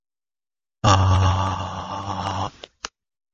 The Newark Yankees began play as an affiliate of the New York Yankees.